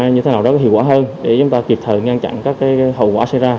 như thế nào đó có hiệu quả hơn để chúng ta kịp thời ngăn chặn các hậu quả xảy ra